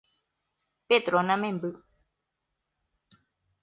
Petrona memby.